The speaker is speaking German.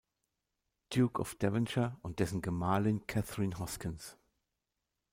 Duke of Devonshire, und dessen Gemahlin Catherine Hoskins.